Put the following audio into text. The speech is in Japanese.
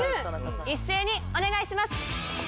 一斉にお願いします。